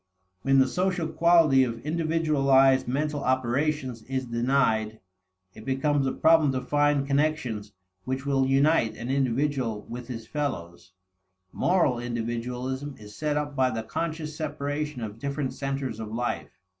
When the social quality of individualized mental operations is denied, it becomes a problem to find connections which will unite an individual with his fellows. Moral individualism is set up by the conscious separation of different centers of life.